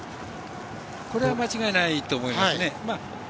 これは間違いないと思いますね。